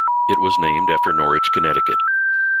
It was named after Norwich, Connecticut.